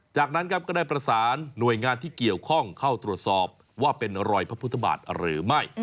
จากนั้นครับก็ได้ประสานหน่วยงานที่เกี่ยวข้องเข้าตรวจสอบว่าเป็นรอยพระพุทธบาทหรือไม่